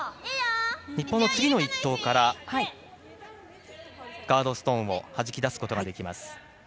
日本の次の１投からガードストーンをはじき出すことができます。